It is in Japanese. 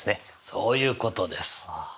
そういうことです。